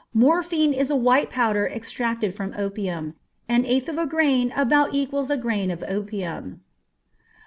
Morphine is a white powder extracted from opium. An eighth of a grain about equals a grain of opium.